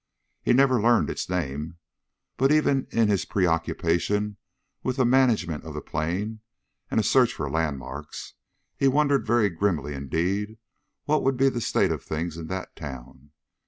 He never learned its name, but even in his preoccupation with the management of the plane and a search for landmarks, he wondered very grimly indeed what would be the state of things in that town.